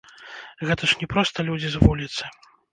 Гэта ж не проста людзі з вуліцы.